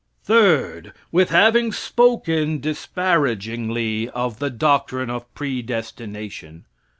Third. With having spoken disparagingly of the doctrine of predestination.